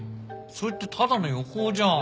それってただの予報じゃん。